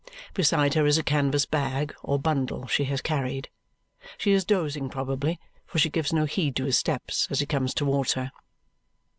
Beside her is a canvas bag, or bundle, she has carried. She is dozing probably, for she gives no heed to his steps as he comes toward her.